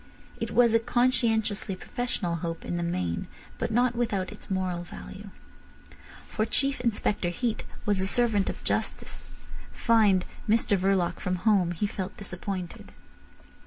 It was a conscientiously professional hope in the main, but not without its moral value. For Chief Inspector Heat was a servant of justice. Finding Mr Verloc from home, he felt disappointed.